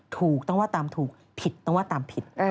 ถูกต้องว่าตามถูกผิดต้องว่าตามผิด